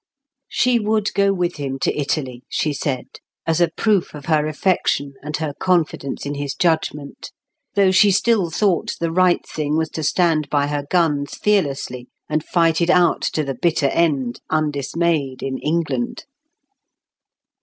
She would go with him to Italy, she said, as a proof of her affection and her confidence in his judgment, though she still thought the right thing was to stand by her guns fearlessly, and fight it out to the bitter end undismayed in England.